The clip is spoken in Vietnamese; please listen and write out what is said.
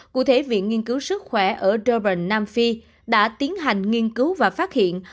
cụ thể viện nghiên cứu sức khỏe ở derbaig nam phi đã tiến hành nghiên cứu và phát hiện